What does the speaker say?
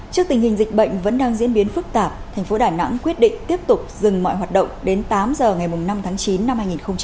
trước tình hình dịch bệnh vẫn đang diễn biến phức tạp thành phố đà nẵng quyết định tiếp tục dừng mọi hoạt động đến tám giờ ngày năm tháng chín năm hai nghìn hai mươi